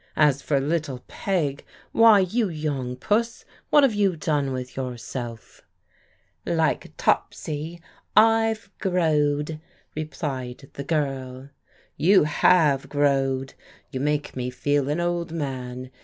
As for little Peg; why, you young puss, what have you done with your self?" " Like Topsy, ' I'se growed,' " replied the girl. '* You have ' growed.' You make me feel an old man.